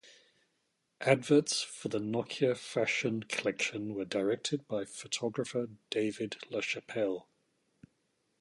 Adverts for the Nokia Fashion Collection were directed by photographer David LaChapelle.